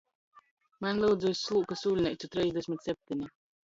Maņ, lyudzu, iz Slūkys ūļneicu treisdesmit septeni!